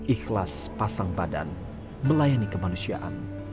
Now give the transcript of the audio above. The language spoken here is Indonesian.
ikhlas pasang badan melayani kemanusiaan